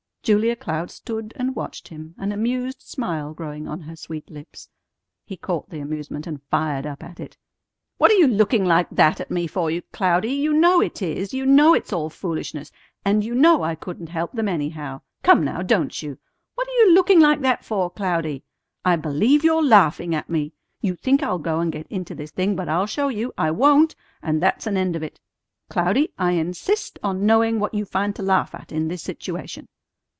Julia Cloud stood and watched him, an amused smile growing on her sweet lips. He caught the amusement, and fired up at it. "What are you looking like that at me for, Cloudy? You know it is. You know it's all foolishness. And you know I couldn't help them, anyhow. Come, now, don't you? What are you looking like that for, Cloudy? I believe you're laughing at me! You think I'll go and get into this thing, but I'll show you. I won't! And that's an end of it. Cloudy, I insist on knowing what you find to laugh at in this situation."